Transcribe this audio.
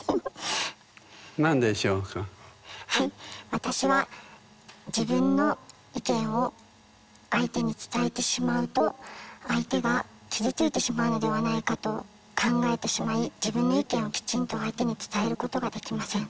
私は自分の意見を相手に伝えてしまうと相手が傷ついてしまうのではないかと考えてしまい自分の意見をきちんと相手に伝えることができません。